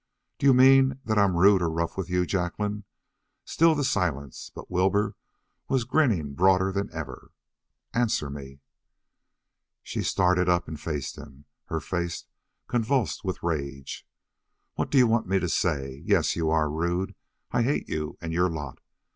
"Do you mean that I'm rude or rough with you, Jacqueline?" Still the silence, but Wilbur was grinning broader than ever. "Answer me!" She started up and faced him, her face convulsed with rage. "What do you want me to say? Yes, you are rude I hate you and your lot.